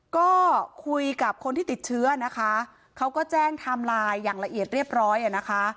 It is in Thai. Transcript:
ก็คุยกับคนที่ติดเชื้อนะคะเขาก็แจ้งไทม์ไลน์อย่างละเอียดเรียบร้อยอ่ะนะคะ